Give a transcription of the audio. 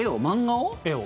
絵を？